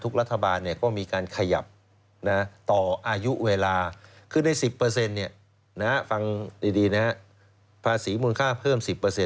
รัฐบาลก็มีการขยับต่ออายุเวลาคือใน๑๐ฟังดีนะภาษีมูลค่าเพิ่ม๑๐